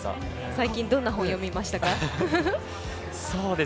最近、どんな本を読みましたか？